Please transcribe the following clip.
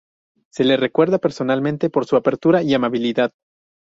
Se le recuerda personalmente por su apertura y amabilidad.